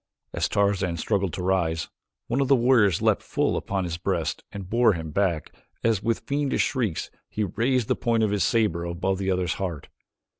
As Tarzan struggled to rise, one of the warriors leaped full upon his breast and bore him back as, with fiendish shrieks, he raised the point of his saber above the other's heart.